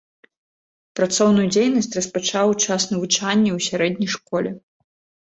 Працоўную дзейнасць распачаў у час навучання ў сярэдняй школе.